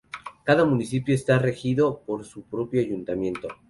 Cada municipio está regido por su propio ayuntamiento.